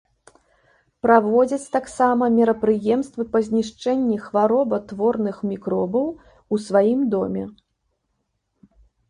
Праводзяць таксама мерапрыемствы па знішчэнні хваробатворных мікробаў у сваім доме.